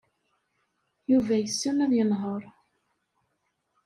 Yuba yessen ad yenheṛ.